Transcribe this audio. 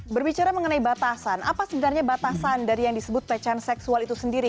berbicara mengenai batasan apa sebenarnya batasan dari yang disebut pelecehan seksual itu sendiri